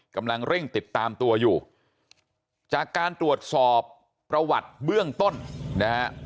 กำลังเร่งติดตามตัวอยู่จากการตรวจสอบประวัติเบื้องต้นนะฮะ